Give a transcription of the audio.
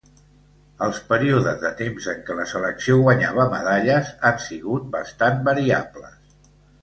Els períodes de temps en què la selecció guanyava medalles han sigut bastant variables.